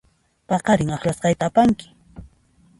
Paqarin akllasqayta apanki.